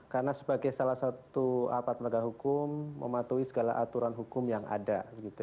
karena sebagai salah satu apat melakukan hukum mematuhi segala aturan hukum yang ada